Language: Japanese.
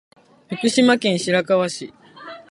福島県白河市